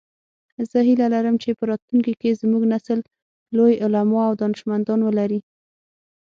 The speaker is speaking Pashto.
زه هیله لرم چې په راتلونکي کې زموږ نسل لوی علماء او دانشمندان ولری